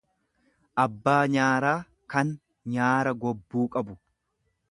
abbaa nyaaraa, kan nyaara gobbuu qabu.